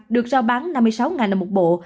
được rao bán năm mươi sáu đồng một bộ